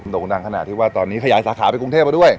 ่งดังขนาดที่ว่าตอนนี้ขยายสาขาไปกรุงเทพมาด้วย